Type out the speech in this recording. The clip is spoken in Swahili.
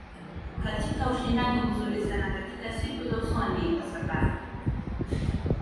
katika ushindani mzuri sana katika siku za usoni kwa sababu